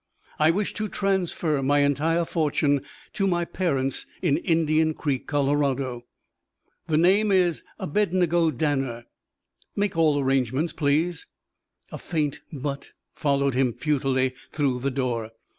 I wish to transfer my entire fortune to my parents in Indian Creek, Colorado. The name is Abednego Danner. Make all arrangements." A faint "But " followed him futilely through the door.